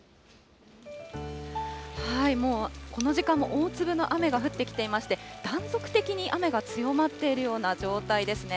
もうこの時間も大粒の雨が降ってきていまして、断続的に雨が強まっているような状況ですね。